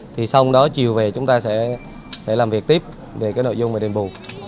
thì xong đó chiều về chúng ta sẽ làm việc tiếp về cái nội dung về đền bù